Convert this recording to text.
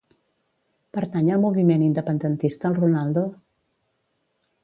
Pertany al moviment independentista el Ronaldo?